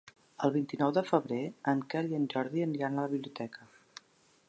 El vint-i-nou de febrer en Quel i en Jordi aniran a la biblioteca.